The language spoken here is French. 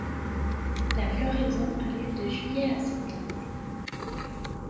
La flloraison a lieu de juillet à septembre.